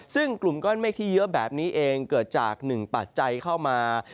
ซึ่งกลุ่มก้อนเมฆที่เยอะแบบนี้เองเกิดจาก๑ปัจจัยเข้ามา